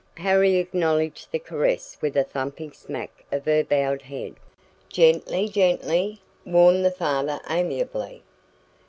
Harry acknowledged the caress with a thumping smack of her bowed head. "Gently gently!" warned the father amiably.